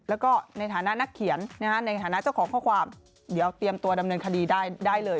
แล้วก็ในฐานะนักเขียนในฐานะเจ้าของข้อความเดี๋ยวเตรียมตัวดำเนินคดีได้เลย